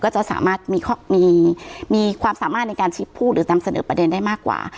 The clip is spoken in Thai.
จะสามารถมีความสามารถในการพูดหรือนำเสนอประเด็นได้มากกว่า